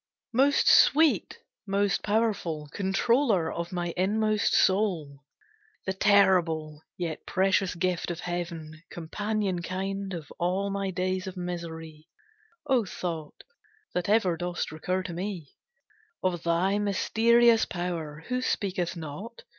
Most sweet, most powerful, Controller of my inmost soul; The terrible, yet precious gift Of heaven, companion kind Of all my days of misery, O thought, that ever dost recur to me; Of thy mysterious power Who speaketh not?